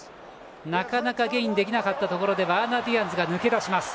なかなかゲインできなかったところでワーナー・ディアンズが抜け出します。